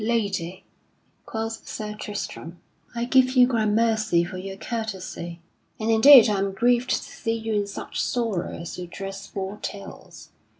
"Lady," quoth Sir Tristram, "I give you gramercy for your courtesy. And indeed I am grieved to see you in such sorrow as your dress foretells.